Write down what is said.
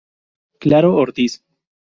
Claro Ortiz.